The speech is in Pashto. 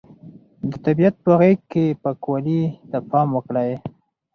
د طبیعت په غېږ کې پاکوالي ته پام وکړئ.